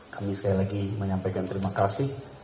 kami sekali lagi menyampaikan terima kasih